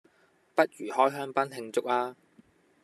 不如開香檳慶祝吖？